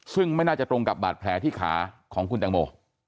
ซึ่งไม่น่าจะตรงกับบาดแผลที่ขาของคุณตังโม